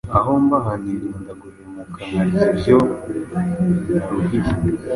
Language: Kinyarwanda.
Aho mba aha nirinda guhemuka nkarya ibyo naruhiye.